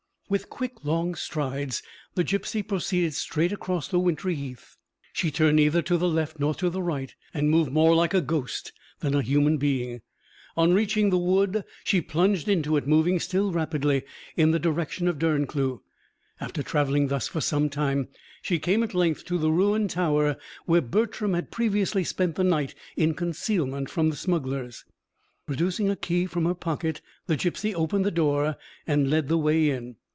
With quick, long strides the gipsy proceeded straight across the wintry heath. She turned neither to the left nor the right, and moved more like a ghost than a human being. On reaching the wood, she plunged into it, moving still rapidly in the direction of Derncleugh. After travelling thus for some time, she came at length to the ruined tower where Bertram had previously spent the night in concealment from the smugglers. Producing a key from her pocket, the gipsy opened the door and led the way in.